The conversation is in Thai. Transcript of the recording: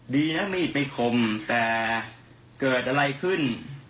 ดีนะมีดไปคมแต่เกิดอะไรขึ้น